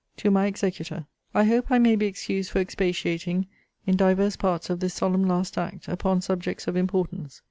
TO MY EXECUTOR 'I hope I may be excused for expatiating, in divers parts of this solemn last act, upon subjects of importance.